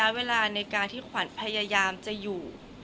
เวลาในการที่ขวัญพยายามจะอยู่